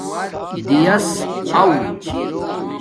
دیݳس اݸہ